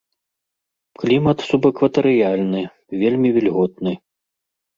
Клімат субэкватарыяльны, вельмі вільготны.